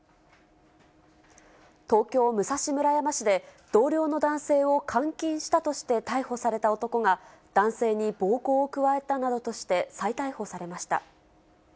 東京・武蔵村山市で、同僚の男性を監禁したとして逮捕された男が、男性に暴行を加えたなどとして、再逮捕されました。